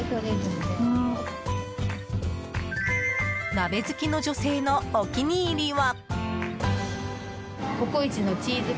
鍋好きの女性のお気に入りは。